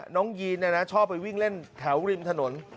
ยีนชอบไปวิ่งเล่นแถวริมถนน